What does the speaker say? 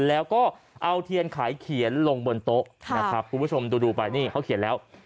แล้วก็เอาเทียนขายเขียนลงบนโต๊ะนะครับคุณผู้ชมดูไปนี่เขาเขียนแล้ว